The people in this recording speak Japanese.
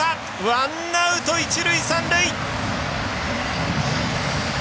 ワンアウト、一塁三塁！